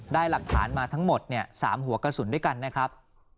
ได้หลักฐานมาทั้งหมด๓หัวกระสุนด้วยกันนะครับ